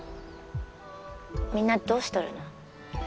みんなどうしとるの？